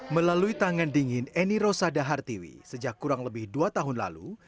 melalui tangan dingin eni rosa dahartiwi sejak kurang lebih dua tahun lalu